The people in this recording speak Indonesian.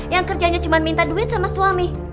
yang kerjanya cuma minta duit sama suami